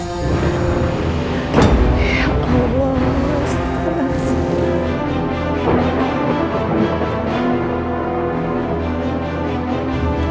ya allah astaghfirullahaladzim